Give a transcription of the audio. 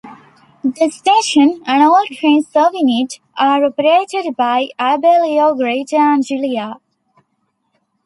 The station, and all trains serving it, are operated by Abellio Greater Anglia.